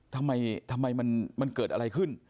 ทำไมมันเกิดอะไรขึ้น